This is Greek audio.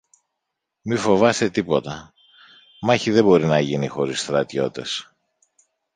Μη φοβάσαι τίποτα, μάχη δεν μπορεί να γίνει χωρίς στρατιώτες